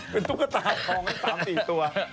เป็นตุ๊กตาทอง๓๔ตัว